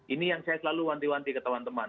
ini yang saya selalu wanti wanti ke teman teman